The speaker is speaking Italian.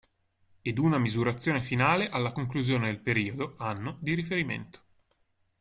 Ed una misurazione finale alla conclusione del periodo (anno) di riferimento.